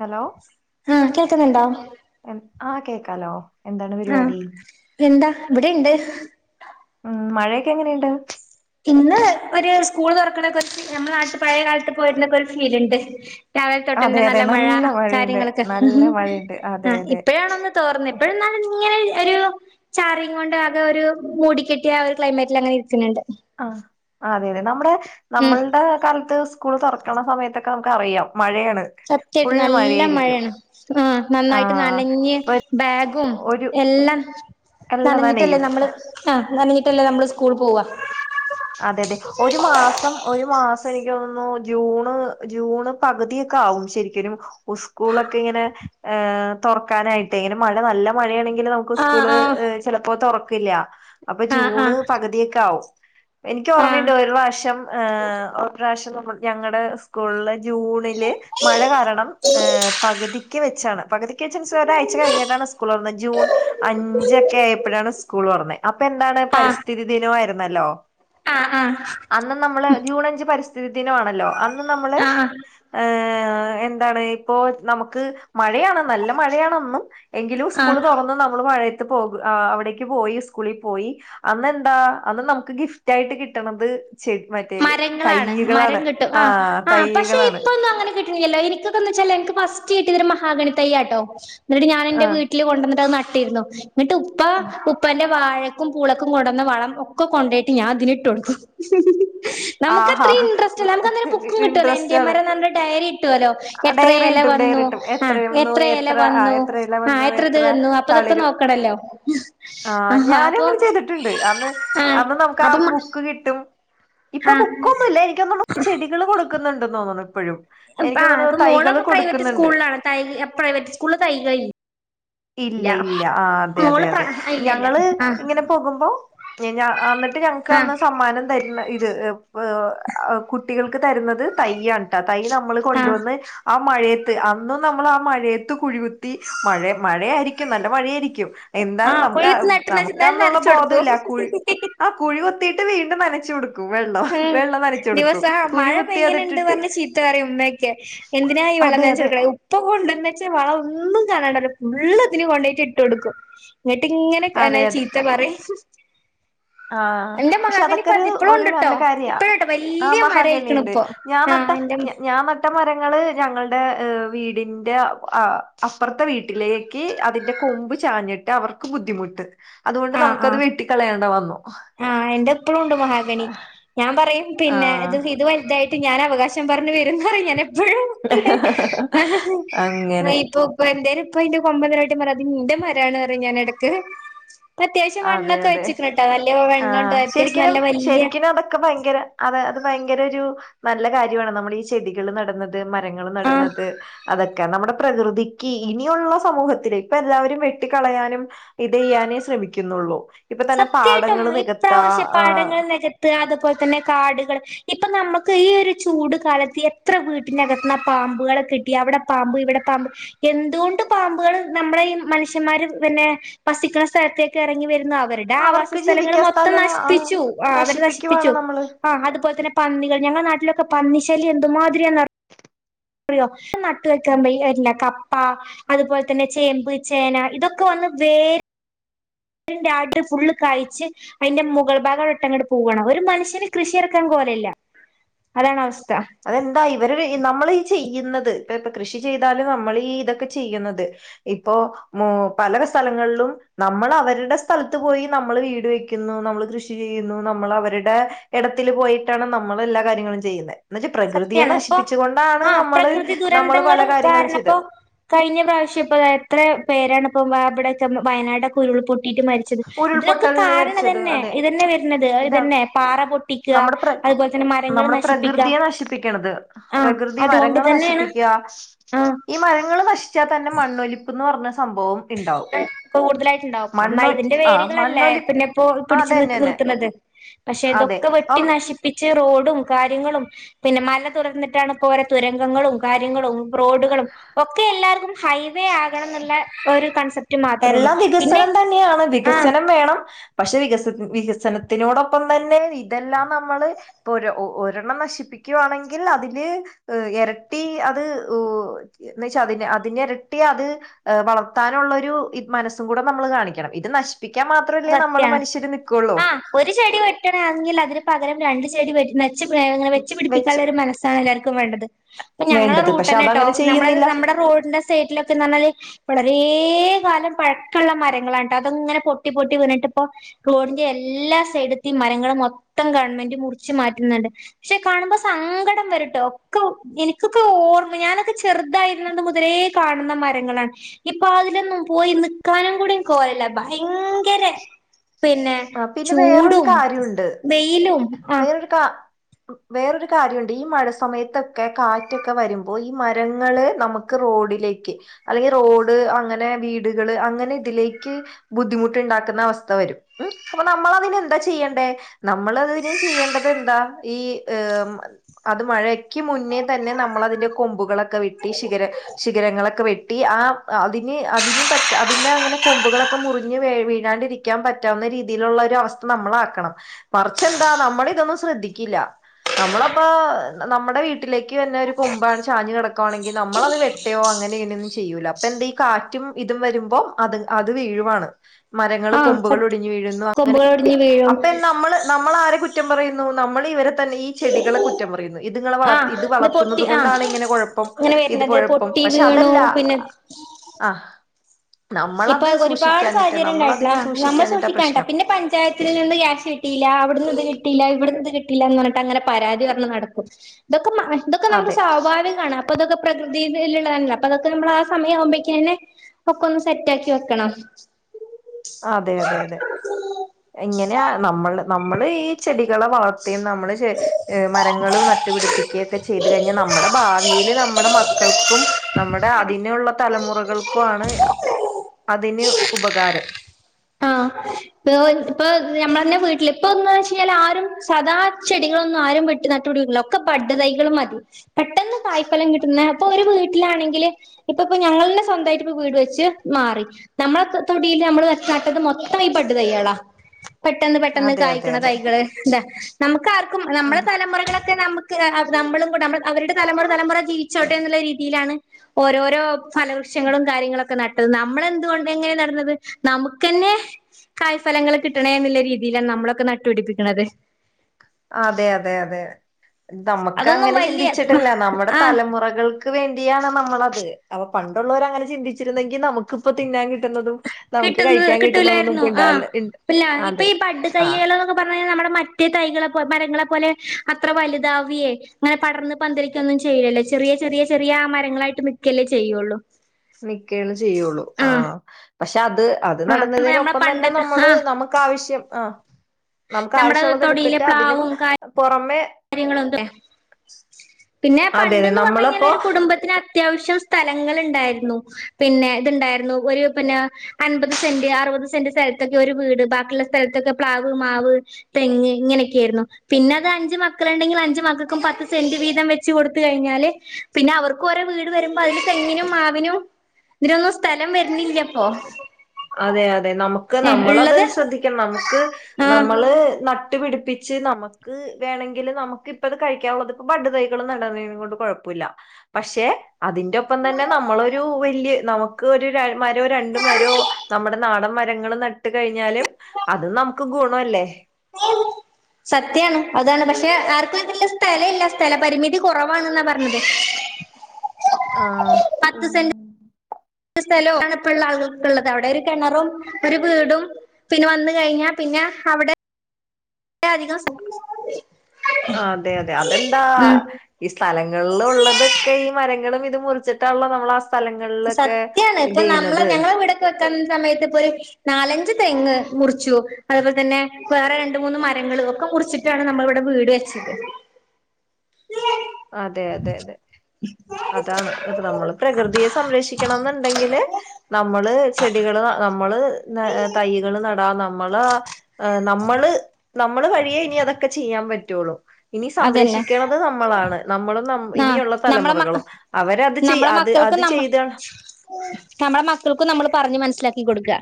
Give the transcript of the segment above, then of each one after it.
Hello ആഹ് കേൾക്ക്ന്നിണ്ടോ ആഹ് കേക്കാലോ എന്താണ് ആഹ് പരിപാടി എന്താ ഇവിടെണ്ട് ക്കെ എങ്ങനെണ്ട് ഇന്ന് ഒര് സ്കൂള് തുറക്കണെക്കുറിച്ച് യമ്മള നാട്ടി പഴയ കാലത്ത് പോയിര്ന്നക്ക ഒര് ഫീലിണ്ട് രാവില അതെ തൊട്ടന്നെ അതെ നല്ല മഴ മഴയുണ്ട് കാര്യങ്ങളൊക്കെ നല്ല മഴയുണ്ട് അതെ ആഹ് അതെ ഇപ്പഴാണൊന്ന് തോർന്നെ എപ്പോഴെന്നും നാ ഇങ്ങനെര് ഒരു ചാറിങൊണ്ട് ആക ഒരു മൂടിക്കെട്ടിയ ഒരു ക്ലൈമറ്റിൽ അങ്ങനെ ഇരിക്കണണ്ട് ആഹ് അതെ അതെ നമ്മളടെ ഉം നമ്മളുടെ കാലത്ത് കൂൾ തുറക്കുന്ന സമയത്തൊക്കെ നമുക്ക് അറിയാം മഴയാണ് സത്യായ്ട്ട് ഫുൾ നല്ല മഴയായിരിക്കും മഴയാണ് ആഹ് ആ നന്നായ്ട്ട് നനഞ്ഞ് ബാഗും ഒരു എല്ലാം എല്ലാം നനഞ്ഞിട്ടല്ലേ നനയും നമ്മള് ആഹ് നനഞ്ഞി ട്ടല്ലേ നമ്മള് സ്കൂൾ പോവാ അതെ അതെ ഒരു മാസം ഒരു മാസ് എനിക്കോന്നുന്നൂ ജൂണ് ജൂണ് പകിതിയോക്കേ ആവും ശെരിക്കിനും ഉസ്കൂളക്ക ഇങ്ങനെ ഏഹ് തൊറക്കാനായിട്ടെ ഇങ്ങന മഴ നല്ല മഴെണെങ്കി ങ്കില് നമ്മുക്ക് ആഹ് സ്കൂള് ആഹ് ചെലപ്പോ തെറ ക്കില്ല്യ അപ്പൊ ആഹ് ജൂണ് ആഹ് പകിതിയെക്കാവും എനിക്ക് ആഹ് ഓർമ്മയിണ്ട് ഒരുപ്രാവശ്യം ഒരുപ്രാവശ്യം നമു ഞങ്ങട ഉസ്കൂള്ല് ജൂണില് മഴ കാരണം ഏഹ് പകിതി ക്ക് വെച്ചാണ് പകിതിക്ക് വെച്ച് മിൻസ് ഒരായ്ച്ച കഴിഞ്ഞിട്ടാണ് സ് കൂൾ തെറന്ന ജൂൺ അഞ്ചെക്കെ ആയപ്പഴാണ് സ്കൂൾ തെറന്നെ അപ്പ എന്താണ് ആഹ് പരിസ്ഥിതി ദിനവായിര് ന്നല്ലോ ആഹ് ആഹ് ജൂൺ അഞ്ച് പരിസ്ഥിതി ദിനവാണല്ലോ അന്ന് ന്ന് നമ്മള് ആഹ് ഏഹ് ഏഹ് എന്താണ് ഇപ്പോ നമുക്ക് മഴയാണ് നല്ല മഴയാണെന്നും എങ്കിലും സ്കൂള് ആഹ് തൊറന്ന് നമ്മള് മഴെ യത്ത് പോക് ആ അവിടേക്ക് പോയി സ്കൂളി പോയി അന്നെന്താ അന്ന് നമുക്ക് ഗിഫ് റ്റായിട്ട് കിട്ടണത് ചെ മറ്റേ മരങ്ങളാണ് തയ്യകളാണ് മരം കിട്ടും ആഹ് ആഹ് പക്ഷെ തയ്യകളാണ് ഇപ്പൊന്നും അങ്ങന കി ട്ടിണിയല്ല്യോ എനിക്കൊക്കന്ന് വെച്ചാല് എന്ക്ക് ഫസ്റ്റ് കിട്ടിയതൊര് മഹാഗണി തയ്യാട്ടോ ഇങ്ങട്ട് ഞാനെന്റെ ആഹ് വീട്ടില് കൊണ്ടന്നിട്ടത് ന ട്ടിരുന്നു ന്നിട്ട് ഉപ്പ ഉപ്പാന്റെ വാഴക്കും പൂളക്കും കൊണ്ടന്ന വളം ഒക്കെ കൊണ്ടോയിട്ട് ഞാൻ ഇതിനിട്ടോട്ത്തു നമുക്ക് ആഹാ അത്രയും ഇൻട്രസ്റ്റ്ല്ല നമുക്ക് അന്നരു ബുക്കും കിട്ടുവല്ലോ ഇൻട്രസ്റ്റ് എന്റെ ആണ് മരം ഡയറി കിട്ടുവല്ലോ. എത്ര ഡയറി ഇല കിട്ടും ഡയറി വന്നു കിട്ടും ആ എത്രന്നു എത്ര ഇല ആ വന്നു എത്രയില ആ വന്നു എത്ര ഇത് വന്നു അപ്പ തളിരും ഇതൊക്കെ നോക്കണല്ലോ ആഹ് ഞാനങ്ങനെ ചെയ്ത്ട്ട്ണ്ട് അന്ന് ആ അന്ന് നമുക്ക് ആ അപ്പം ബുക്ക് കിട്ടും ഇപ്പൊ ആ ബുക്കൊന്നുല്ല എനിക്കൊന്നുണു ചെടികള് കൊട് ക്ക്ന്നുണ്ടോന്ന്ണു ഇപ്പഴും എനിക്ക് ആഹ് തോന്നുണു ഇപ്പൊ തൈകള് മോളൊക്കെ പ്രൈവറ്റ് കൊടുക്കുന്നുണ്ട് സ്കൂളിലാണ് തൈ പ്രൈവറ്റ് സ്കൂളില് തൈകളി ഇല്ല ഇല്ല ആഹ് അതെ അതെ മോള് പ്ര അതെ ഇല്ല ഇല്ല ഞങ്ങള് ആ ഇങ്ങനെ പോകുമ്പോ ഞ അന്നിട്ട് ഞങ്ങക്ക് ആ അന്ന് സമ്മാനം തര്ണ ഇത് കുട്ടികൾക്ക് തരുന്നത് തയ്യാണ്‌ട്ടോ തൈ നമ്മള് ആ കൊണ്ടുവന്ന് ആ ആ മഴയെത്ത് അന്നും നമ്മൾ ആ മഴയത്ത് കുഴികുത്തി മഴെ മഴയായിരിക്കും നല്ല മഴയായിരിക്കും ക്കും എന്താണ് നമ്മ്ക്ക് ആ കൊഴുത്ത് നട്ടില്ല നമ്മുക്ക് അയ് എന്നാലും ഒന്നുള്ള നനച്ചു കൊടുക്കും ബോധയില്ല കുഴി ആ കുഴി കുത്തിയിട്ട് വീണ്ടും നനക്കും ച്ച് കൊട് ഊമ് ദിവസം ആ കുഴി മഴ കുത്തി പെയ്യ്ണ് ഇണ്ട് അതിട്ടിട്ട് പറഞ്ഞ് ചീത്ത പറയും ഉമ്മയൊക്കെ എന്തിനായി വെള്ളം അതെ നനച്ച് അതെ കൊട്ക്ക്ണെ ഉപ്പ കൊണ്ടെന്നെച്ച വളൊന്നും കാണാണ്ടാവൂല ഫുള്ള് ഇതിന് കൊണ്ടോയിട്ട് ഇട്ട് കൊട്ക്കും ഇങ്ങട്ട് ഇങ്ങനെ അതെ ക്കനെ അതെ ചീത്ത പറിം ആ പക്ഷെ അതൊക്കൊരു ഇപ്പഴും ഒരു ഉണ്ട്ട്ടോ നല്ല കാര്യാ ഇപ്പഴുംട്ടോ ആ വല്യ മഹാഗണി മരായിക്ക്ണ് ഇണ്ട് ഇപ്പൊ ഞാൻ നട്ട ആഹ് എന്റെ ഞാൻ നട്ട മര രങ്ങൾ ഞങ്ങൾടെ ഏ വീടിന്റെ അ അപ്പർത്തെ വീട്ടിലേക്ക് അതിന്റെ കൊമ്പ് ചാഞ്ഞിട്ട് അവർക്ക് ബുദ്ധിമുട്ട് അതുകൊണ്ട് ആഹ് നമുക്കത് ആഹ് വെട്ടിക്കളയേണ്ട വന്നു ആഹ് എന്റെ ഇപ്പളൂണ്ട് മഹാഗണി ഞാൻ പറയും പിന്നെ ആഹ് ഇത് ഇത് വൽതായിട്ട് ഞൻ അവകാ ശം പറഞ്ഞ് വരും ന്ന് പറയും ഞാൻ എ പ്പഴും ഇത് അങ്ങനെ ഇപ്പൊ ഉപ്പന്റെ ഇപ്പ അയിന്റെ കൊമ്പ് [unintelligible] അത് ഇന്റെ മരാണ് പറിം ഞാനെടക്ക് ഇപ്പം അത്യാവശ്യം വണ്ണൊക്കെ വെച്ച്ക്ക്‌ണ് ട്ടോ ന ആ ശരിക്കിനും ശരിക്കിനും അതൊക്കെ ഭയങ്കര അതെ അത് ഭയങ്കര ഒര് ഒരു നല്ല കാര്യവാണ് നമ്മൾ ഈ ചെടികൾ നട്ന്നത് മരങ്ങൾ ആഹ് നട്ന്നത് അതൊക്കെ നമ്മുടെ പ്രകൃതിക്ക് ഇനിയുള്ള സമൂഹത്തിൽ ഇപ്പ എല്ലാവരും വെട്ടികളയാനും ഇതെയ്യാനേ ശ്രമി ക്ക്ന്നോള്ളൂ സത്യായിട്ടും ഇപ്രാവശ്യം ആഹ് പാടങ്ങൾ നെകത്താ അത് പോലെ തന്നെ കാട്കൾ ഇപ്പം നമ്മക്ക് ഈ ഒരു ചൂട് കാലത്ത് എത്ര വീട്ടിൻ അകത്ത്ന്നാ പാമ്പുകളെ കിട്ടി അവിടെ പാമ്പ് ഇവിടെ പാമ്പ് എന്തുകൊണ്ട് പാമ്പുകൾ നമ്മളെ ഈ മനുഷ്യന്മാർ പിന്നെ വസിക്ക്‌ണ് സ്ഥലത്തേക്ക് എറങ്ങി വര്ന്നാ ടെ ആവാസ അവർക്ക് സ്ഥലങ്ങൾ ജീവിക്കാൻ മൊത്തം സ്ഥലല്ല ആഹ് നശിപ്പിച്ചു ആ അവരെ നശിപ്പിച്ചു നശിപ്പിക്കുവാണ് നമ്മള് ആ അതുപോലെ തന്നെ പന്നികൾ ഞങ്ങളെ നാട്ടിലൊക്കെ പന്നി ശല്യം എന്ത്മാതിരിയാന്ന് അറിയോ ക്ഷം നട്ട് വെക്കാൻ വെയ്യ [unintelligible] ക പ്പ അതുപോലെ തന്നെ ചേമ്പ് ചേന ഇതൊക്കെ വന്ന് വേ രിന്റെ അടി ഫുള്ള് കയ്ച്ച് അതിന്റെ മുകൾ ഭാഗം അവിടെ ഇട്ട്ങ്ങട്ട് പോവാണ് ഒരു മനുഷ്യന് കൃഷി ഇറക്കാൻ കോല ഇല്ല അതാണ് അവസ് അതെന്തായി ഇവര് നമ്മൾ ഈ ചെയ്യ്ന്നത് ഇപ്പം കൃഷി ചെയ്താലും നമ്മളി ഈ ഇതൊക്ക ചെയ്യ്ന്നത് ഇപ്പൊ മൂ പല സ്ഥലങ്ങൾലും നമ്മൾ അവര്ടെ സ്ഥലത്ത് പോയി നമ്മൾ വീട് വെക്കുന്നു നമ്മൾ കൃഷി ചെയ്യുന്നു നമ്മൾ അവര്ടെ എടത്തില് പോയിട്ടാണ് നമ്മൾ എല്ലാ കാര്യങ്ങളും ചെയ്യ്ന്നെ സത്യാണ് ഇപ്പൊ ആ നമ്മള് പ്രകൃതി നമ്മള് പല ദുരന്തങ്ങളും കാര്യങ്ങളും കാരണം ചെയ്ത് ഇപ്പൊ കഴിഞ്ഞ പ്രാവശ്യം ഇപ്പൊ താ എത്ര പേരാണ് ഇപ്പൊ വ ഇവ്ടെ [unintelligible] വയനാടൊക്കെ ഉരുൾ പൊ ട്ടീട്ട് മരിച്ചത് ഇതിനൊക്കെ ഉരുൾപൊട്ടലിന് കാരണം മരിച്ചത് ഇതെന്നെ അതെ ഇതെന്നെ വെര്നത് ഇതാണ് ഇതെന്നെ പാറ പൊട്ടിക്കാ നമ്മുടെ അതുപോലെ തന്നെ മരങ്ങൾ നശിപ്പിക്കാ നശിപ്പിക്ക്ണ്ത് പ്രകൃതി മരങ്ങൾ തന്നെയാണ് നശിപ്പിക്കാ ആഹ് ഈ മരങ്ങൾ നശിച്ചാൽ തന്നെ മണ്ണൊലിപ്പ്ന്ന് പർനെ കൂടുതലായിട്ടുണ്ടാവും മണ്ണൊ അമ്മയുടെ ആ വേരുകളല്ലേ മണ്ണൊലി പിന്നപ്പോ ആ പിടിച്ചു അതന്നെന്നെ നിർത്തുന്നത് പക്ഷെ അതെ ഇതൊക്കെ വെട്ടി അപ്പം നശിപ്പിച് കാര്യങ്ങളും പിന്നെ മല തുറന്നിട്ടാണ് ഇപ്പോ ഓരോ തുരങ്കങ്ങളും കാര്യങ്ങളും റോഡുകളും ഒക്കെ എല്ലാവർക്കും ഹൈ [unintelligible] ഒരു കൺസെപ്റ്റ് മാത്രേ ഉള്ളൂ എല്ലാം പിന്നെ വികസനം തന്നെയാണ് ആഹ് വികസനം വേണം പക്ഷെ വികസ വിക വികസനത്തിനോടപ്പം തന്നെ ഇതെല്ലാം നമ്മള് ഒരു ഒരെണ്ണം നശിപ്പിക്കവാണെങ്കില് അതില് ഇരട്ടി അത് എന്ന വെച്ചാ അതിന്റെ ഇരട്ടി വളർത്താനുള്ളൊരു മനസ്സും കൂടെ നമ്മള് കാണിക്കണം ഇത് നശി സത്യാണ് ആ ഒരു ചെടി വെട്ടണെങ്കിൽ അതിന് പകരം രണ്ട് ചെടി വെ [unintelligible] വ വെച്ച് പിടിപ്പിക്കാനുള്ള ഒരു മനസാണ് എല്ലാവർക്കും വേണ്ടത് ഞങ്ങളെ വേണ്ടത് പക്ഷെ റൂട്ട്ന്നെട്ടോ അതങ്ങനെ നമ്മള് ചെയ്യുന്നില്ല നമ്മടെ റോഡിന്റെ സൈഡിലൊക്കെ നമ്മള് വളരെ കാലം പഴക്കള്ള മരങ്ങളാണ്ട്ട്ട അതിങ്ങനെ പൊട്ടി പൊട്ടി വീണിട്ടിപ്പോ റോഡിന്റെ എല്ലാ സൈഡിത്തെ മരങ്ങളുമൊത്തം ഗവണ്മെന്റ് പുടിച്ചു മാറ്റുന്നുണ്ട് പക്ഷെ കാണുമ്പോ സങ്കടം വരുംട്ടാ എനിക്കൊക്കെ ഓർമ ഞാനൊക്കെ ചെറുതായിരുന്നത് മുതലെ കാണുന്ന മരങ്ങളാണ് ഇപ്പൊ അതിനൊന്നും പോയി നിക്കാനും കൂടി കോല്യല്ല [unintelligible] ഭയങ്കര പിന്നെ ആ പിന്നെ വേറൊരു ചൂടും കാര്യമുണ്ട് വെയിലും ആഹ് വേറൊരു കാ വേറൊരു കാര്യമുണ്ട് ഈ മഴ സമയത്തൊക്കെ കാറ്റൊക്കെ വരുമ്പോ ഈ മരങ്ങള് നമുക്ക് റോഡിലേക്ക് അല്ലെങ്കിൽ റോഡ് അങ്ങനെ വീടുകള് അങ്ങനെ ഇതിലേക്ക് ബുദ്ധിമുട്ടുണ്ടാക്കുന്ന അവസ്ഥ വരും മ് അപ്പൊ നമ്മൾ അതിന് എന്താ ചെയ്യണ്ടേ നമ്മളതിന് ഇതെന്താ ഈ [unintelligible] അത് മഴക്ക് മുന്നേതന്നെ നമ്മളതിന്റെ കൊമ്പുകളൊക്കെ വെട്ടി ശിഖര ശിഖരങ്ങളൊക്കെ വെട്ടി ആ അതിന് അതിന് പറ്റാ അതിന്റെ അങ്ങനെ കൊമ്പുകളൊക്കെ മുറിഞ് വീ വീഴാണ്ടിരിക്കാൻ പറ്റാവുന്ന രീതിയിലുള്ള ഒരു അവസ്ഥ നമ്മൾ ആക്കണം മറിച്ചു എന്താ നമ്മളിതൊന്നും ശ്രദ്ധിക്കില്ല നമ്മളപ്പ നമ്മുടെ വീട്ടിലേക്ക് വന്നെ ഒരു കൊമ്പാണ് ചാഞ്ഞു കിട ക്കണെങ്കിൽ നമ്മളത് വെട്ടോ അങ്ങനെങ്ങന ചെയ്യൂല അപ്പൊ എന്താ ഈ കാറ്റും ഇതും വരുമ്പോ അത് അത് വീഴുവാണ് മരങ്ങൾ ആഹ് കൊമ്പുകൾ സത്യം ഒടിഞ്ഞ് വീഴുന്നു അങ്ങനെ കൊമ്പുകൾ ഒടിഞ്ഞ് വീഴും അപ്പൊ നമ്മള് നമ്മളാ കുറ്റം പറയുന്നു നമ്മൾ ഇവരെ തന്നെ ഈ ചെടികളെ കുറ്റം പറയുന്നു ഇത്ങ്ങളെ വള ആഹ് ഇത് പൊട്ടി വളർത്തുന്നത് ആഹ് കൊണ്ടാണ് ഇങ്ങനെ കൊഴപ്പം ഇങ്ങനെ ഇത് വരുന്നത് കൊഴപ്പം പൊട്ടി പക്ഷെ വീണു അതല്ല പിന്നെ ആ ഇപ്പൊ നമ്മളത് ഒരുപാട് സൂക്ഷിക്കാഞ്ഞിട്ട് സാഹചര്യം ഉണ്ടായിട്ടുണ്ട് ആ നമ്മളതിനെ നമ്മൾ സൂക്ഷിക്കാഞ്ഞിട്ടാ പ്രശ്നം പിന്നെ പഞ്ചായത്തിൽ നിന്നും ക്യാഷ് കിട്ടിയില്ല അവിടുന്നിത് കിട്ടില്ല ഇവിടുന്നിത് കിട്ടില്ല എന്ന് പറഞ്ഞിട്ട് അങ്ങനെ പരാതി പറഞ്ഞു നടക്കും ഇതക്കെ നമുക്ക് അതെ സ്വാഭാവികമാണ് അപ്പ അതൊക്കെ [unintelligible] ആ സമയവുമ്പോക്കെ തന്നെ സെറ്റാക്കി വെക്കണം അതെ അതെ അതെ ഇങ്ങനെയാ നമ്മള് നമ്മ നമ്മള് ഈ ചെടികളെ വളർത്തുകയും നമ്മള് മരങ്ങള് നട്ടുപിടിപ്പിക്കുകയും ഒക്കെ ചെയ്തു കഴിഞ്ഞാൽ നമ്മുടെ ഭാവിയില് നമ്മുടെ മക്കൾക്കും നമ്മുടെ അതിനുള്ള തലമുറകൾക്കും ആഹ് ഇ ഇപ്പ ഞമ്മള് തന്നെ വീട്ടില് ഇപ്പ ഒന്ന് ആരും സദാ ചെടികളൊന്നും ആരും വെട്ട് നട്ടുപിടിക്കത്തില്ല ഒക്കെ ബഡ് തൈകളും മതി പെട്ടെന്ന് തായ്ഫലം കിട്ടുന്ന അപ്പൊ ഒരു വീട്ടിലാണെങ്കില് ഇപ്പ ഇപ്പൊ ഞങ്ങളെ സ്വന്തമായിട്ട് ഇപ്പ വീട് വെച്ച് മാറി നമ്മളെ തൊടീൽ നമ്മള് നാട്ടത് മൊത്തം ഈ ബഡ് തൈകളാ പെട്ടെന്ന് പെട്ടെന്ന് അതെ അതെ കായ്ക്കണ അതെ തൈ ന്ത നമു [unintelligible] ആർക്കും നമ്മുടെ അതെ തലമുറകളൊക്കെ നമു നമ്മക്ക് നമ്മളു കൂടെഅവരുടെ തലമുറ തലമുറ ജീവിച്ചോട്ടെ എന്നുള്ള രീതിയിലാണ് ഓരോരോ ഫലവൃക്ഷങ്ങളും കാര്യങ്ങളൊക്കെ നട്ടത് നമ്മളെന്തുകൊണ്ട് എങ്ങനെ നടന്നത് നമുക്ക് തന്നെ കായ്ഫലങ്ങൾ കിട്ടണേ എന്നുള്ള രീതിയിലാണ് നമ്മളൊക്കെ ന നട്ടുപിടിപ്പിക്കണത് അതെ അതെ അതെ നമുക്ക് അതൊന്നും അങ്ങനെ വലിയ ചിന്തിച്ചിട്ടില്ല നമ്മുടെ ആഹ് തലമുറകൾക്ക് വേ മടിയാണ് നമ്മളത് അപ്പൊ പണ്ടുള്ളവര അങ്ങനെ ചിന്തിച്ചിരുന്നെങ്കിൽ നമുക്കിപ്പ തിന്നാൻ കിട്ടുന്നതും നമുക്ക് കിട്ടുന്നത് കഴിക്കാൻ കിട്ടുന്നതൊന്നും കിട്ടൂല്ലായിരുന്നു ഇപ്പ ആ ഇണ്ടാവില്ല ഞാനിപ്പം ഇപ്പൊ അതെ ഈ ബഡ് ആ തൈകള് എന്നൊക്കെ പറഞ്ഞു കഴിഞ്ഞാൽ നമ്മുടെ മ മറ്റേ തൈകളെ മരങ്ങളെപ്പോലെ അത്ര വലുതാവിയേ അങ്ങനെ പടർന്ന് പന്തലിക്കൊന്നും ചെയ്ലല്ലേ ചെറിയ ചെറിയ ചെറിയ മരങ്ങളായിട്ട് നിക്കല്ലേ ചെയ്യുള്ളൂ നിക്കേണ് ചെയ്യുള്ളൂ ആ പക്ഷെ അത് അത് ആ നമ്മളെ നടന്നതിനൊപ്പം തന്നെ പണ്ടത്തെ ആ നമ്മള് നമുക്ക് ആവശ്യം ആ നമുക്ക് നമ്മുടെ ആവശ്യമുള്ളത് എടുത്തിട്ട് അതിനും പുറമെ കാര്യങ്ങളൊക്കെ പിന്നെ അതെ അതെ പണ്ടെന്നുപറഞ്ഞു കഴിഞ്ഞാൽ നമ്മളിപ്പോ ഒരു കുടുംബത്തിന് അത്യാവശ്യം സ്ഥലങ്ങളുണ്ടായിരുന്നു. പിന്നെ ഇതുണ്ടായിരുന്നു ഒരു പിന്നെ അൻപത് സെന്റ്, അറുപത് സെന്റ്, സ്ഥലത്തൊക്കെ ഒരു വീട് ബാക്കിയുള്ള സ്ഥലത്തൊക്കെ പ്ലാവ്, മാവ്, തെങ്ങ്, ഇങ്ങനെയൊക്കൊയിരുന്നു പിന്നെ അത് അഞ്ച് മ മക്കളുണ്ടെങ്കിൽ അഞ്ചു മക്കൾക്കും പത്ത് സെന്റ് വീതം വെച്ച് കൊടുത്ത കഴിഞ്ഞാല് പിന്നെ അവർക്കും ഓരോ വീട് വരുമ്പോ അതില് തെങ്ങിനും, മാവിനും, ഇതിനൊന്നും സ്ഥലം വരുന്നില്ലപ്പൊ അതെ അതെ നമുക്ക് നമ്മളത് ശ്രദ്ധിക്കണം നമുക്ക് ആഹ് നമ്മള് നട്ടുപിടിപ്പ് ച്ച് നമുക്ക് വേണമെങ്കിൽ നമുക്ക് ഇപ്പത് കഴിക്കാനുള്ളതിപ്പം ബഡ് തൈകള് നടന്നതിനെ കൊണ്ട് കുഴപ്പമില്ല പക്ഷെ അതിന്റെ ഒപ്പം തന്നെ നമ്മളൊരു വലിയ നമു ക്ക് ഒരു ര മരോ രണ്ട് മരോ നമ്മുടെ നാടൻ മരങ്ങള് നട്ട് കഴിഞ്ഞാലും അത് നമുക്ക് ഗുണം അല്ലേ സത്യാണ് അതാണ് പക്ഷെ ആർക്കും അതിനില്ല സ്ഥലം ഇല്ല സ്ഥല പരിമിതി കുറവാാണ്ന്നാ പറഞ്ഞത് ആഹ് ഓ സ്ഥലണ് ഇപ്പോ ഉള്ള ആളുകൾക്ക്ള്ളത് അവിടെ ഒരു കിണറും ഒരു വീടും പിന്നെ വന്ന് കഴിഞ്ഞാ പിന്നെ അവിടെ അധികം അതെ അതെ അതെന്താ ഉം ഈ സ്ഥലങ്ങൾല് ഉള്ളതൊക്കെ ഈ മരങ്ങളും ഇതും മുറിച്ചിട്ടില്ലോ നമ്മള സത്യാണ് ഇപ്പൊ നമ്മളെ ഞങ്ങളെ വീടൊക്കെ വെച്ച സമയത്ത് ഇപ്പോ ഒരു നാലഞ്ച് തെങ്ങ് മുറിച്ചു അതുപോലെ തന്നെ വേറെ രണ്ട് മൂന്ന് മരങ്ങള് ഒക്കെ മുറിച്ചിട്ടാണ് നമ്മള ഇവിടെ വീട് വെച്ചത് അതെ അതെ അതെ അതാണ് അപ്പൊ നമ്മള് പ്രകൃതിയെ സംരക്ഷി ക്കണംന്നുണ്ടെങ്കില് നമ്മള് ചെടികള് നമ്മള് ന തൈകള് നടാ നമ്മള് അ നമ്മള് നമ്മള് വഴിയെ ഇനി അതൊക്കെ ചെയ്യാൻ പറ്റ് റ്റൊള്ളൂ ഇനി സംരക്ഷിക്കണത് നമ്മളാണ് നമ്മളും നം- ആ ഇനിയുള്ള നമ്മളെ മ തലമുറകളും അവരത് ചെയ് നമ്മളെ അത് മക്കൾക്കും അത് നമ്മ ചെയ്ത നമ്മളെ മക്കൾക്കും നമ്മള് പറഞ്ഞ് മനസ്സിലാ ക്കി കൊടുക്ക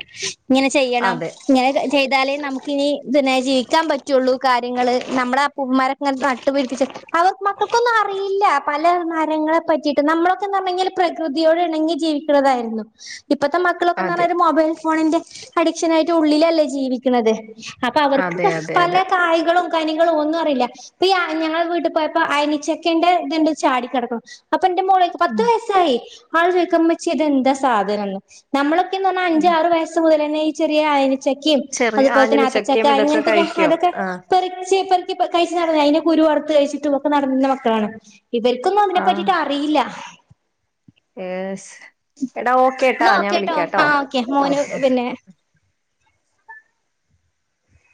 ഇങ്ങനെ ചെയ്യണം അതെ ഇങ്ങനെ ചെയ്താലേ നമുക്കിനി ഇതിനെ ജീവിക്കാൻ പറ്റുള്ളൂ കാര്യങ്ങള് നമ്മളെ അപ്പൂപ്പ മ്മാരൊക്കെങ്ങനെ നട്ടുപിടിപ്പിച്ച് അവർ മക്കൾക്കൊന്നും അറി അറിയില്ല പല മരങ്ങളെ പറ്റിയിട്ട് നമ്മളൊക്കെ ന്ന് പറഞ്ഞ് കൈഞ്ഞാല് പ്രകൃതിയോട് ഇണങ്ങി ജീവിക്കുന്നതായിരുന്നു ജീവിക്കണതായിരുന്നു ഇപ്പത്തെ മക്കളൊക്കെ ന്ന് അതെ പറഞ്ഞാ ഒരു മൊബൈൽ ഫോണിന്റെ അഡിക്ഷൻ ആയിട്ട് ഉള്ളിലല്ലേ ജീവിക്ക്ണത് അപ്പൊ അവർക്ക് അതെ അതെ പല അതെ കായകളും കനികൾ ഒന്നും അറിയില്ല ഇപ്പ അ ഞങ്ങൾ വീട്ട് പോയപ്പോ അയനിച്ച ക്കൻ്റെ ഇത്ണ്ട് ചാടിക്കെടക്ക്ണു അ അപ്പൊന്റെ മോള് ചോയ്ക്കാ ഉം പത്ത് വയസ്സായി ആൾ ചോയ്ക്ക ഉമ്മച്ച്യേ ഇതെന്താ സാധനം ന്ന് നമ്മളെ [unintelligible] എന്ന് പറഞ്ഞാ ഉം അഞ്ച് ആറ് വയസ് മുതലന്നെ ചെറിയ അയനി ചക്കിം ചെറിയ അത്പോലെ തന്നെ ആഞ്ഞിലി ചക്കയും ആത്തച്ചക്ക ഇതൊക്കെ ഇങ്ങനത്തക്കെ കഴിക്കും അതൊക്കെ ആഹ് പറിച്ച് പെ [unintelligible] കഴിച്ച് നടന്നതാ അതിൻ്റെ കുരു വറത്ത് കഴിച്ചിട്ടും ഒക്കെ നടന്ന മ കാണ് ഇവര്ക്കൊന്നും അതിനെ ആഹ് പറ്റീട്ട് അറിയില്ല ഏസ് എടാ ഓക്കേട്ടാ യെന്നാ ഞാൻ ഓക്കെട്ടോ ആ വിളിക്കാട്ടോ ഓക്കെ മോന് ആഹ് പിന്നെ